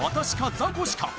ザコシか？